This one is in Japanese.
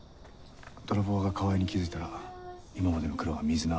泥棒が川合に気付いたら今までの苦労が水の泡になる。